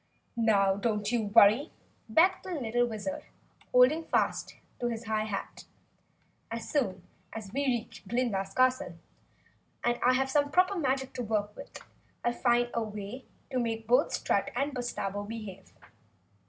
"Now, don't you worry," begged the Wizard, holding fast to his high hat, "As soon as we reach Glinda's castle and I have some proper magic to work with, I'll find a way to make both Strut and Bustabo behave.